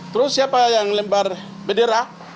terus siapa yang lembar bendera